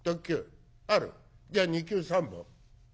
じゃあ２級３本。